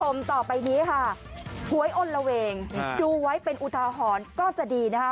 ต่อไปนี้ค่ะหวยอลละเวงดูไว้เป็นอุทาหรณ์ก็จะดีนะคะ